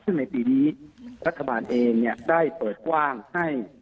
ซึ่งในปีนี้รัฐบาลเองได้เปิดกว้างให้